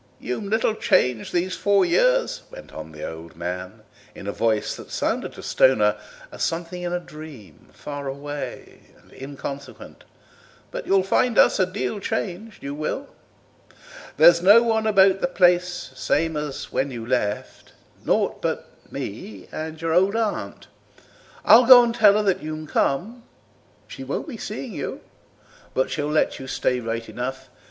"You'm little changed these four years," went on the old man, in a voice that sounded to Stoner as something in a dream, far away and inconsequent; "but you'll find us a deal changed, you will. There's no one about the place same as when you left; nought but me and your old Aunt. I'll go and tell her that you'm come; she won't be seeing you, but she'll let you stay right enough.